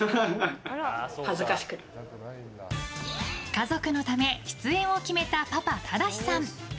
家族のため出演を決めたパパ忠司さん。